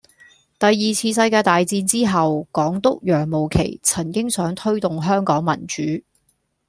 第二次世界大戰之後，港督楊慕琦曾經想推動香港民主